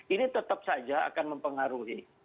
ini tetap saja akan mempengaruhi